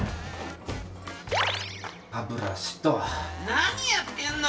何やってんの？